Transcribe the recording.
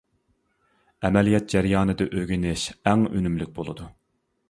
ئەمەلىيەت جەريانىدا ئۆگىنىش ئەڭ ئۈنۈملۈك بولىدۇ.